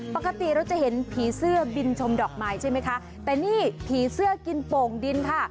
ปกติเราจะเห็นผีเสื้อบินชมดอกไม้ใช่ไหมคะแต่นี่ผีเสื้อกินโป่งดินค่ะ